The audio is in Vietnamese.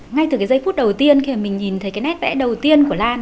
ngay từ cái giây phút đầu tiên khi mà mình nhìn thấy cái nét vẽ đầu tiên của lan